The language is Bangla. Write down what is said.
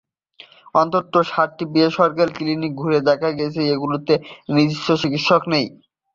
অন্তত সাতটি বেসরকারি ক্লিনিক ঘুরে দেখা গেছে, এগুলোতে নিজস্ব চিকিৎসক নেই।